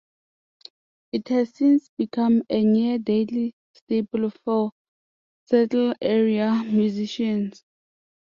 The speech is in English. It has since become a near-daily staple for Seattle-area musicians.